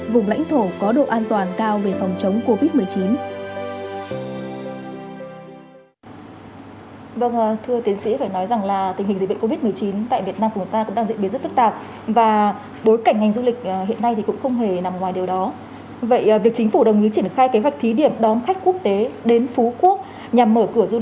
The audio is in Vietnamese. vùng lãnh thổ có độ an toàn cao về phòng chống